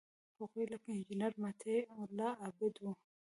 هغوی لکه انجینیر مطیع الله عابد وو.